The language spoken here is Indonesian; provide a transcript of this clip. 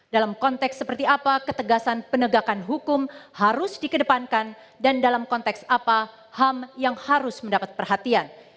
dalam konteks seperti apa ketegasan penegakan hukum harus dikedepankan dan dalam konteks apa ham yang harus mendapat perhatian